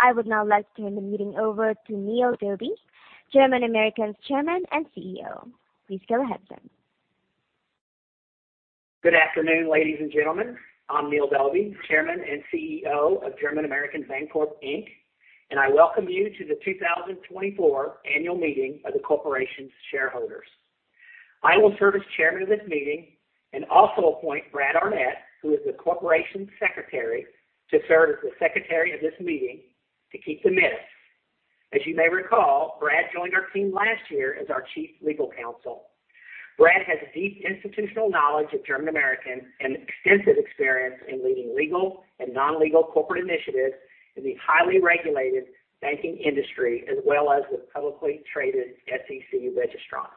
I would now like to turn the meeting over to D. Neil Dauby, German American's Chairman and CEO. Please go ahead then. Good afternoon, ladies and gentlemen. I'm D. Neil Dauby, chairman and CEO of German American Bancorp Inc., and I welcome you to the 2024 Annual Meeting of the Corporation's Shareholders. I will serve as chairman of this meeting and also appoint Brad Arnett, who is the corporation's secretary, to serve as the secretary of this meeting to keep the minutes. As you may recall, Brad joined our team last year as our chief legal counsel. Brad has deep institutional knowledge of German American and extensive experience in leading legal and non-legal corporate initiatives in the highly regulated banking industry as well as with publicly traded SEC registrants.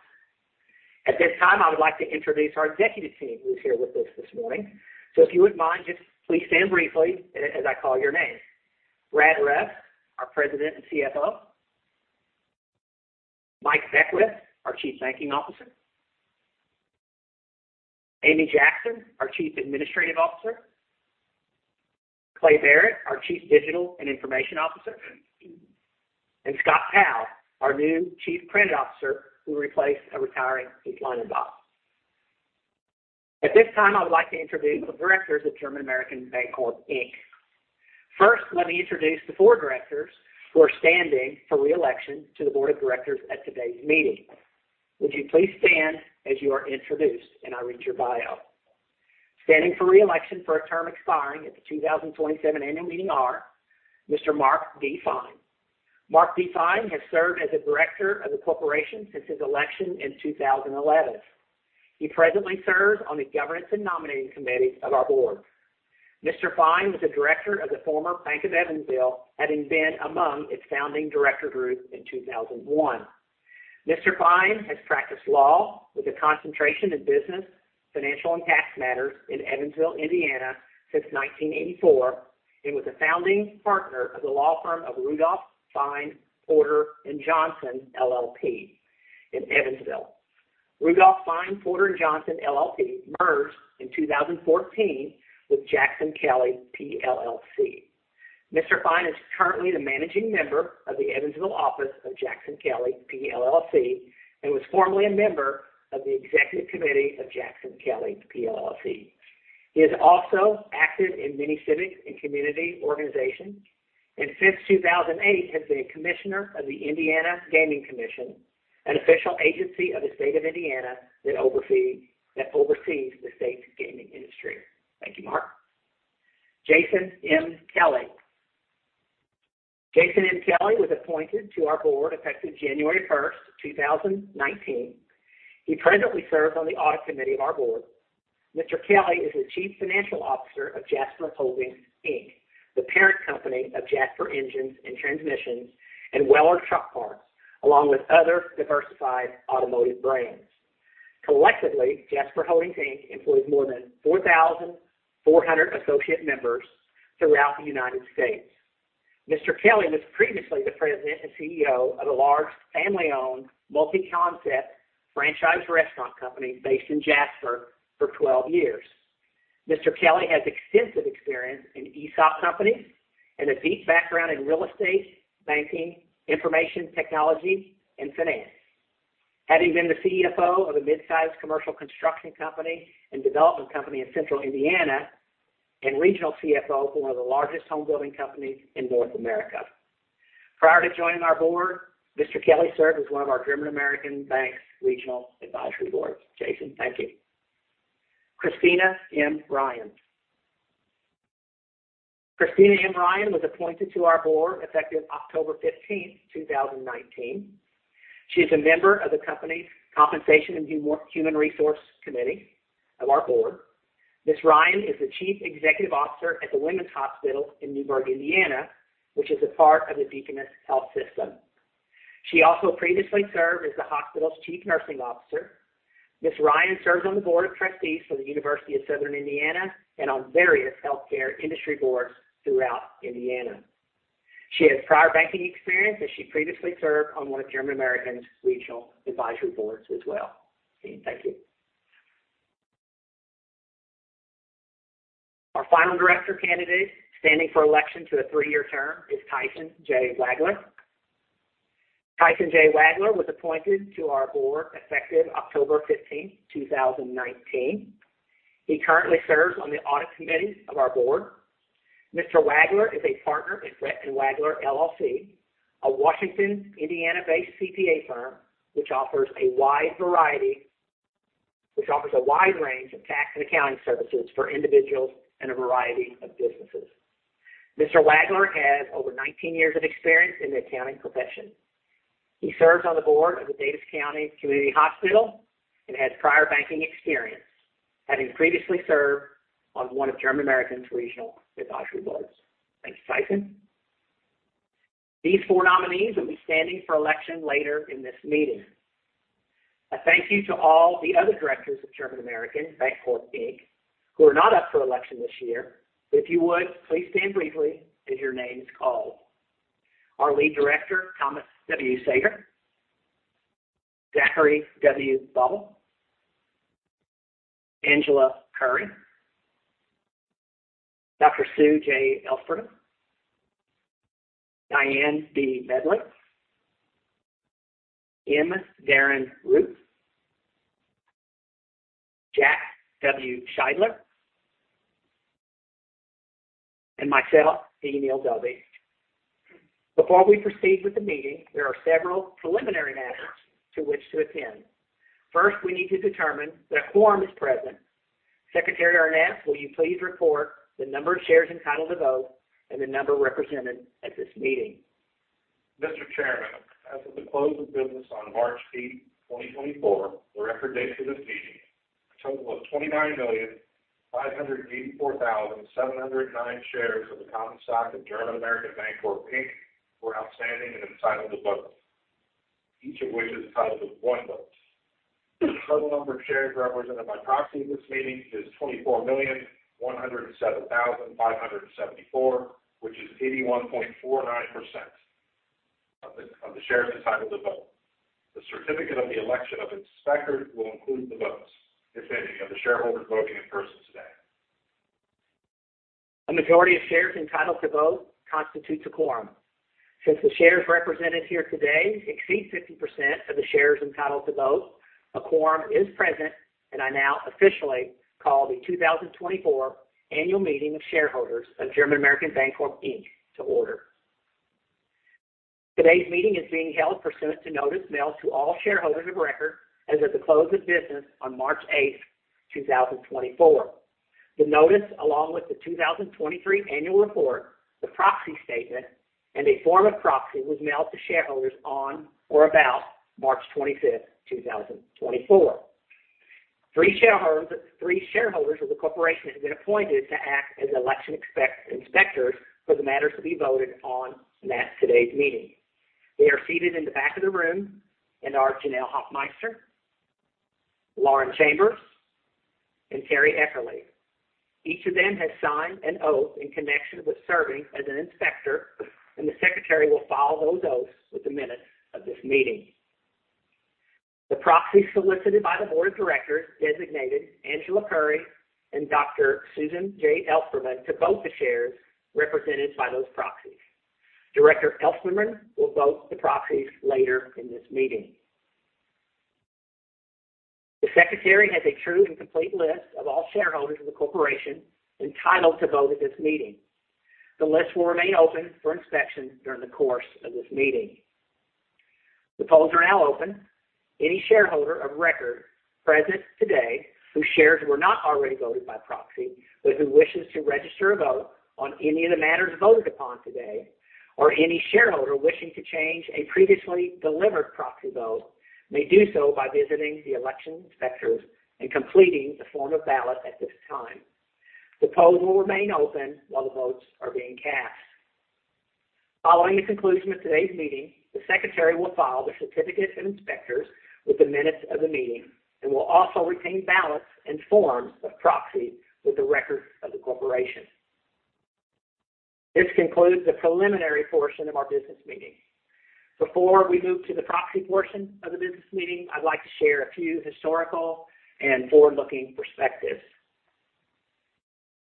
At this time, I would like to introduce our executive team who's here with us this morning. So if you wouldn't mind, just please stand briefly as I call your names. Brad Rust, our President and CFO. Mike Beckwith, our Chief Banking Officer. Amy Jackson, our Chief Administrative Officer. Clay Barrett, our Chief Digital and Information Officer. And Scott Powell, our new Chief Credit Officer who replaced a retiring Keith Leinenbach. At this time, I would like to introduce the directors of German American Bancorp Inc. First, let me introduce the four directors who are standing for reelection to the board of directors at today's meeting. Would you please stand as you are introduced and I read your bio. Standing for reelection for a term expiring at the 2027 annual meeting are: Mr. Marc D. Fine. Marc D. Fine has served as a director of the corporation since his election in 2011. He presently serves on the governance and nominating committees of our board. Mr. Fine was a director of the former Bank of Evansville, having been among its founding director group in 2001. Mr. Fine has practiced law with a concentration in business, financial, and tax matters in Evansville, Indiana since 1984 and was a founding partner of the law firm of Rudolph Fine Porter & Johnson, LLP, in Evansville. Rudolph Fine Porter & Johnson, LLP, merged in 2014 with Jackson Kelly PLLC. Mr. Fine is currently the managing member of the Evansville office of Jackson Kelly PLLC and was formerly a member of the executive committee of Jackson Kelly PLLC. He has also acted in many civic and community organizations and since 2008 has been a commissioner of the Indiana Gaming Commission, an official agency of the state of Indiana that oversees the state's gaming industry. Thank you, Marc. Jason M. Kelly. Jason M. Kelly was appointed to our board effective January 1st, 2019. He presently serves on the audit committee of our board. Mr. Kelly is the Chief Financial Officer of Jasper Holdings, Inc., the parent company of Jasper Engines & Transmissions and Weller Truck Parts, along with other diversified automotive brands. Collectively, Jasper Holdings, Inc. employs more than 4,400 associate members throughout the United States. Mr. Kelly was previously the president and CEO of a large family-owned multi-concept franchise restaurant company based in Jasper for 12 years. Mr. Kelly has extensive experience in ESOP companies and a deep background in real estate, banking, information technology, and finance, having been the CEO of a midsize commercial construction company and development company in Central Indiana and regional CFO for one of the largest home-building companies in North America. Prior to joining our board, Mr. Kelly served as one of our German American Bank’s regional advisory boards. Jason, thank you. Christina M. Ryan. Christina M. Ryan was appointed to our board effective October 15th, 2019. She is a member of the company's compensation and human resource committee of our board. Ms. Ryan is the Chief Executive Officer at The Women's Hospital in Newburgh, Indiana, which is a part of the Deaconess Health System. She also previously served as the hospital's Chief Nursing Officer. Ms. Ryan serves on the board of trustees for the University of Southern Indiana and on various healthcare industry boards throughout Indiana. She has prior banking experience as she previously served on one of German American's regional advisory boards as well. Thank you. Our final director candidate, standing for election to a three-year term, is Tyson J. Wagler. Tyson J. Wagler was appointed to our board effective October 15th, 2019. He currently serves on the audit committee of our board. Mr. Wagler is a partner at Burch & Wagler, LLC, a Washington, Indiana-based CPA firm which offers a wide range of tax and accounting services for individuals and a variety of businesses. Mr. Wagler has over 19 years of experience in the accounting profession. He serves on the board of the Daviess County Community Hospital and has prior banking experience, having previously served on one of German American's regional advisory boards. Thank you, Tyson. These four nominees will be standing for election later in this meeting. A thank you to all the other directors of German American Bancorp, Inc., who are not up for election this year, but if you would, please stand briefly as your name is called. Our lead director, Thomas W. Seger. Zachary W. Bawel. Angela Curry. Dr. Sue J. Ellspermann. Diane B. Medley. M. Darren Root. Jack W. Sheidler. And myself, D. Neil Dauby. Before we proceed with the meeting, there are several preliminary matters to which to attend. First, we need to determine that a quorum is present. Secretary Arnett, will you please report the number of shares entitled to vote and the number represented at this meeting? Mr. Chairman, as of the close of business on March 8th, 2024, the record date for this meeting, a total of 29,584,709 shares of the common stock of German American Bancorp, Inc., were outstanding and entitled to votes, each of which is entitled to one vote. The total number of shares represented by proxy at this meeting is 24,107,574, which is 81.49% of the shares entitled to vote. The certificate of the election of inspectors will include the votes, if any, of the shareholders voting in person today. A majority of shares entitled to vote constitutes a quorum. Since the shares represented here today exceed 50% of the shares entitled to vote, a quorum is present, and I now officially call the 2024 annual meeting of shareholders of German American Bancorp, Inc., to order. Today's meeting is being held pursuant to notice mailed to all shareholders of record as of the close of business on March 8th, 2024. The notice, along with the 2023 annual report, the proxy statement, and a form of proxy was mailed to shareholders on or about March 25th, 2024. Three shareholders of the corporation have been appointed to act as election inspectors for the matters to be voted on at today's meeting. They are seated in the back of the room, and are Janelle Hoffmeister, Lauren Chambers, and Terri Eckerle. Each of them has signed an oath in connection with serving as an inspector, and the Secretary will file those oaths with the minutes of this meeting. The proxies solicited by the Board of Directors designated Angela Curry and Dr. Sue J. Ellspermann to vote the shares represented by those proxies. Director Ellspermann will vote the proxies later in this meeting. The Secretary has a true and complete list of all shareholders of the corporation entitled to vote at this meeting. The list will remain open for inspection during the course of this meeting. The polls are now open. Any shareholder of record present today whose shares were not already voted by proxy but who wishes to register a vote on any of the matters voted upon today, or any shareholder wishing to change a previously delivered proxy vote, may do so by visiting the election inspectors and completing the form of ballot at this time. The polls will remain open while the votes are being cast. Following the conclusion of today's meeting, the secretary will file the certificate of inspectors with the minutes of the meeting and will also retain ballots and forms of proxy with the records of the corporation. This concludes the preliminary portion of our business meeting. Before we move to the proxy portion of the business meeting, I'd like to share a few historical and forward-looking perspectives.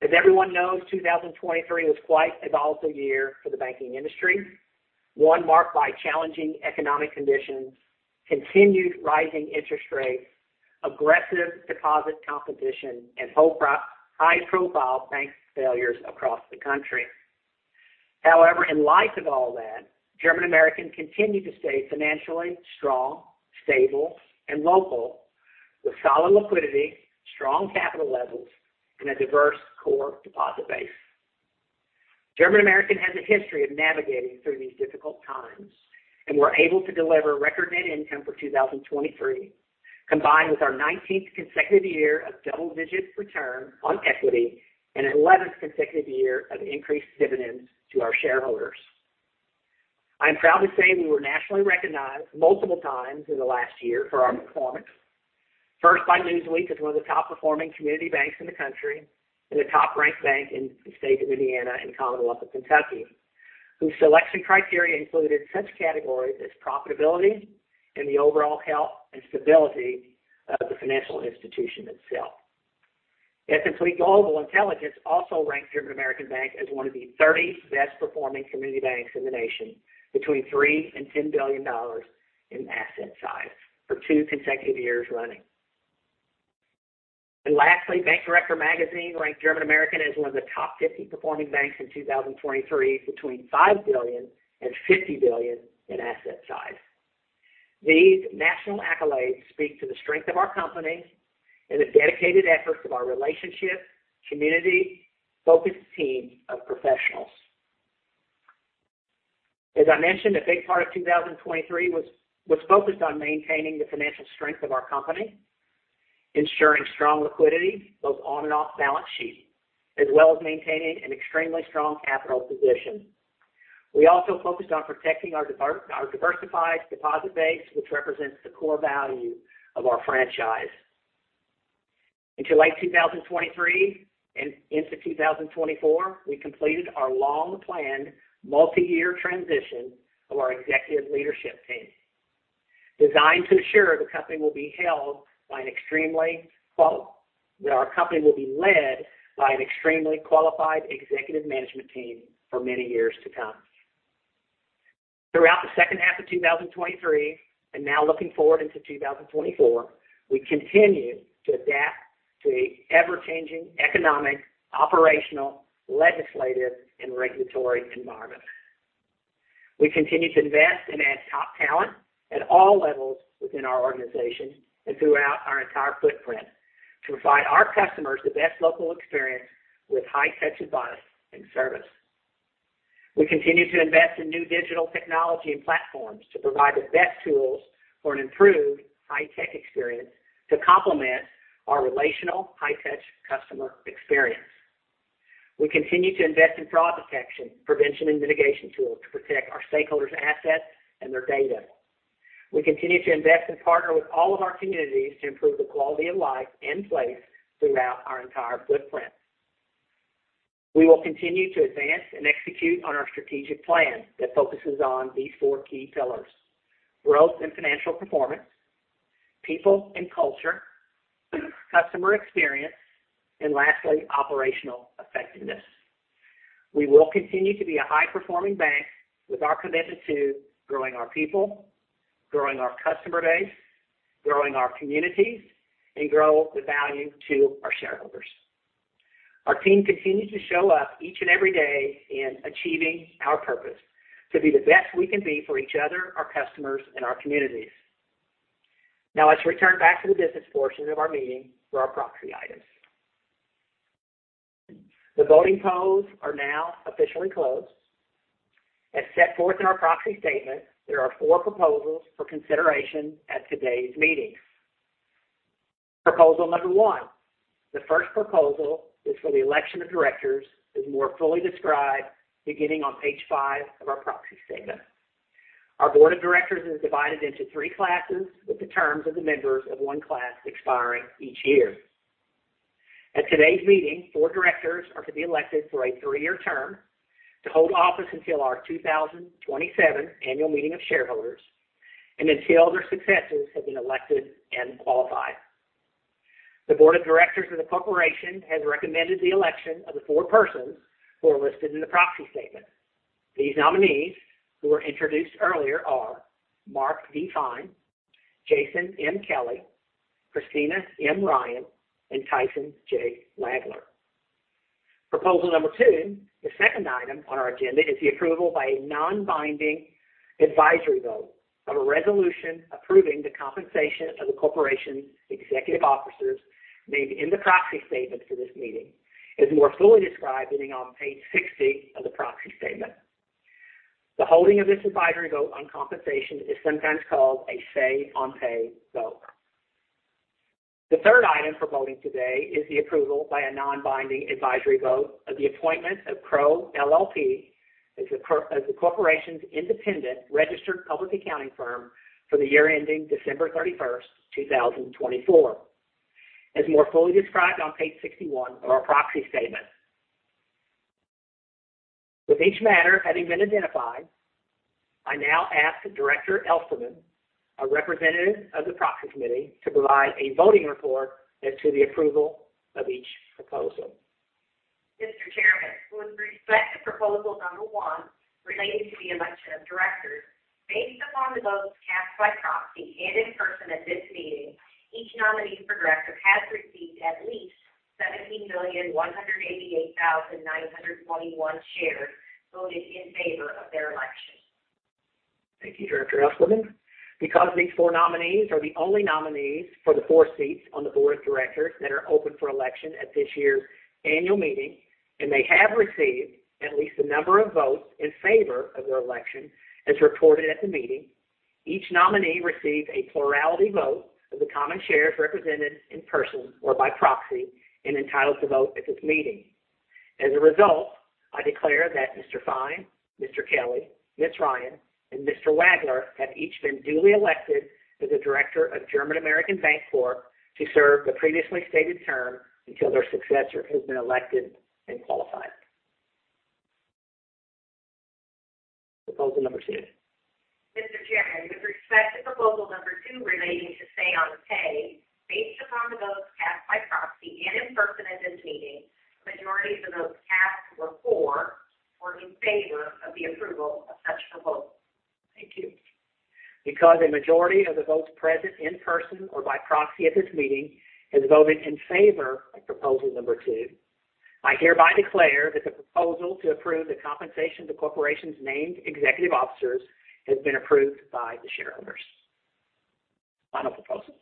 As everyone knows, 2023 was quite a volatile year for the banking industry, one marked by challenging economic conditions, continued rising interest rates, aggressive deposit competition, and high-profile bank failures across the country. However, in light of all that, German American continued to stay financially strong, stable, and local, with solid liquidity, strong capital levels, and a diverse core deposit base. German American has a history of navigating through these difficult times and were able to deliver record net income for 2023, combined with our 19th consecutive year of double-digit return on equity and 11th consecutive year of increased dividends to our shareholders. I am proud to say we were nationally recognized multiple times in the last year for our performance, first by Newsweek as one of the top-performing community banks in the country and the top-ranked bank in the state of Indiana and Commonwealth of Kentucky, whose selection criteria included such categories as profitability and the overall health and stability of the financial institution itself. S&P Global Market Intelligence also ranked German American Bank as one of the 30 best-performing community banks in the nation between $3-$10 billion in asset size for two consecutive years running. And lastly, Bank Director Magazine ranked German American as one of the top 50 performing banks in 2023 between $5-$50 billion in asset size. These national accolades speak to the strength of our company and the dedicated efforts of our relationship-community-focused team of professionals. As I mentioned, a big part of 2023 was focused on maintaining the financial strength of our company, ensuring strong liquidity both on and off balance sheet, as well as maintaining an extremely strong capital position. We also focused on protecting our diversified deposit base, which represents the core value of our franchise. Into late 2023 and into 2024, we completed our long-planned multi-year transition of our executive leadership team, designed to assure our company will be led by an extremely qualified executive management team for many years to come. Throughout the H2 of 2023 and now looking forward into 2024, we continue to adapt to the ever-changing economic, operational, legislative, and regulatory environment. We continue to invest and add top talent at all levels within our organization and throughout our entire footprint to provide our customers the best local experience with high-touch advice and service. We continue to invest in new digital technology and platforms to provide the best tools for an improved high-tech experience to complement our relational high-touch customer experience. We continue to invest in fraud detection, prevention, and mitigation tools to protect our stakeholders' assets and their data. We continue to invest and partner with all of our communities to improve the quality of life and place throughout our entire footprint. We will continue to advance and execute on our strategic plan that focuses on these four key pillars: growth and financial performance, people and culture, customer experience, and lastly, operational effectiveness. We will continue to be a high-performing bank with our commitment to growing our people, growing our customer base, growing our communities, and grow the value to our shareholders. Our team continues to show up each and every day in achieving our purpose to be the best we can be for each other, our customers, and our communities. Now let's return back to the business portion of our meeting for our proxy items. The voting polls are now officially closed. As set forth in our proxy statement, there are four proposals for consideration at today's meeting. Proposal number one, the first proposal is for the election of directors, is more fully described beginning on page 5 of our proxy statement. Our board of directors is divided into three classes with the terms of the members of one class expiring each year. At today's meeting, four directors are to be elected for a three-year term to hold office until our 2027 annual meeting of shareholders and until their successors have been elected and qualified. The board of directors of the corporation has recommended the election of the four persons who are listed in the proxy statement. These nominees who were introduced earlier are Marc D. Fine, Jason M. Kelly, Christina M. Ryan, and Tyson J. Wagler. Proposal number two, the second item on our agenda, is the approval by a non-binding advisory vote of a resolution approving the compensation of the corporation's executive officers named in the proxy statement for this meeting, as more fully described beginning on page 60 of the proxy statement. The holding of this advisory vote on compensation is sometimes called a Say-on-Pay vote. The third item for voting today is the approval by a non-binding advisory vote of the appointment of Crowe LLP as the corporation's independent registered public accounting firm for the year ending December 31st, 2024, as more fully described on page 61 of our proxy statement. With each matter having been identified, I now ask Director Ellspermann, a representative of the proxy committee, to provide a voting report as to the approval of each proposal. Mr. Chairman, with respect to proposal number one relating to the election of directors, based upon the votes cast by proxy and in person at this meeting, each nominee for director has received at least 17,188,921 shares voted in favor of their election. Thank you, Director Ellspermann. Because these four nominees are the only nominees for the four seats on the board of directors that are open for election at this year's annual meeting, and they have received at least the number of votes in favor of their election as reported at the meeting, each nominee received a plurality vote of the common shares represented in person or by proxy and entitled to vote at this meeting. As a result, I declare that Mr. Fine, Mr. Kelly, Ms. Ryan, and Mr. Wagler have each been duly elected as a director of German American Bancorp to serve the previously stated term until their successor has been elected and qualified. Proposal number 2. Mr. Chairman, with respect to proposal number 2 relating to Say-on-Pay, based upon the votes cast by proxy and in person at this meeting, majorities of those cast were in favor of the approval of such proposals. Thank you. Because a majority of the votes present in person or by proxy at this meeting has voted in favor of proposal number 2, I hereby declare that the proposal to approve the compensation of the corporation's named executive officers has been approved by the shareholders. Final proposal.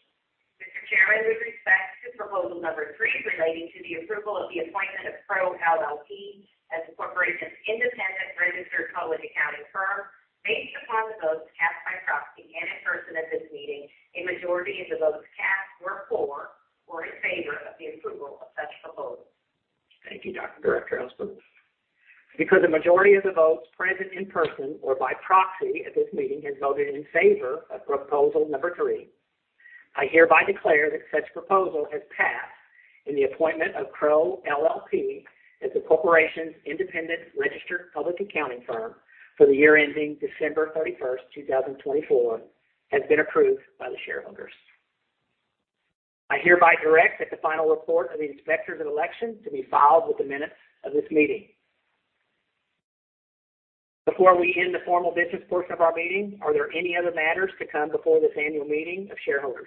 Mr. Chairman, with respect to proposal number 3 relating to the approval of the appointment of Crowe LLP as the corporation's independent registered public accounting firm, based upon the votes cast by proxy and in person at this meeting, a majority of the votes cast were in favor of the approval of such proposals. Thank you, Director Ellspermann. Because a majority of the votes present in person or by proxy at this meeting has voted in favor of proposal number three, I hereby declare that such proposal has passed and the appointment of Crowe LLP as the corporation's independent registered public accounting firm for the year ending December 31st, 2024, has been approved by the shareholders. I hereby direct that the final report of the inspectors of election to be filed with the minutes of this meeting. Before we end the formal business portion of our meeting, are there any other matters to come before this annual meeting of shareholders?